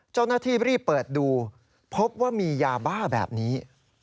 เจ้าหน้าที่รีบเปิดดูพบว่ามียาบ้าแบบนี้